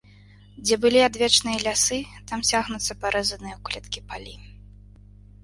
Дзе былі адвечныя лясы, там цягнуцца парэзаныя ў клеткі палі.